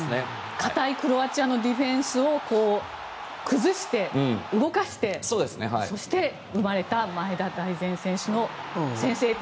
堅いクロアチアのディフェンスを崩して、動かして、そして奪えた前田大然選手の先制点。